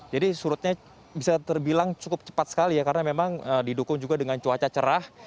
jadi surutnya bisa terbilang cukup cepat sekali ya karena memang didukung juga dengan cuaca cerah